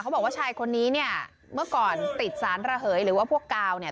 บอกว่าชายคนนี้เนี่ยเมื่อก่อนติดสารระเหยหรือว่าพวกกาวเนี่ย